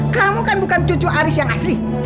kamu kan bukan cucu aris yang asli